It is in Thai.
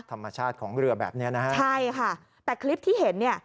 ธรรมชาติของเรือแบบเนี้ยนะฮะใช่ค่ะแต่คลิปที่เห็นเนี่ย